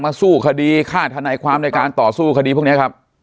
สู้คดีฆ่าธนายความในการต่อสู้คดีพวกนี้ครับ